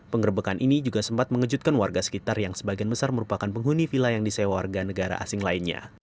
pengerebekan ini juga sempat mengejutkan warga sekitar yang sebagian besar merupakan penghuni villa yang disewa warga negara asing lainnya